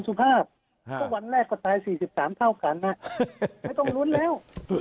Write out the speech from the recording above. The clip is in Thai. ในคุณสุภาพวันแรกก็ตาย๔๓เท่ากันไม่ต้องล้นแล้ว